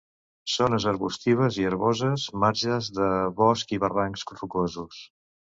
Zones arbustives i herboses, marges de bosc i barrancs rocosos.